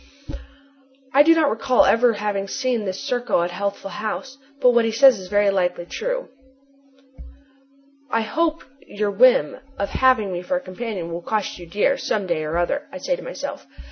I do not recall ever having seen this Serko at Healthful House, but what he says is very likely true. "I hope your whim of having me for a companion will cost you dear, some day or other," I say to myself.